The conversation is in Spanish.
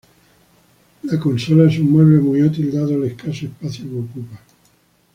La consola es un mueble muy útil dado el escaso espacio que ocupa.